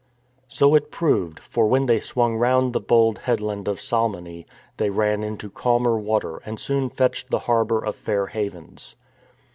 ^ So it proved, for when they swung round the bold headland of Salmone, they ran into calmer water and soon fetched the harbour of Fair Havens.